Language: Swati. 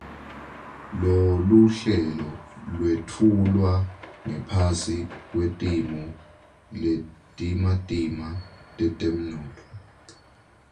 Loluhlelo lwetfulwa ngaphasi kwetimo letimatima tetemnotfo.